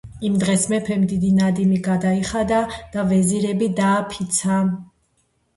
იმ დღეს მეფემ დიდი ნადიმი გადაიხადა და ვეზირები დააფიცა.